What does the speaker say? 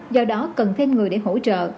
do đó cần thêm người để hỗ trợ